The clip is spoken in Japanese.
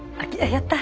やった！